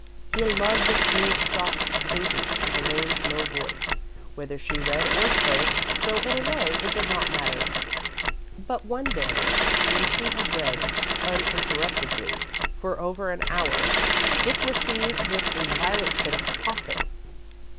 He loved the smooth, soft cadence of Elaine's low voice, whether she read or spoke, so, in a way, it did not matter. But, one day, when she had read uninterruptedly for over an hour, Dick was seized with a violent fit of coughing.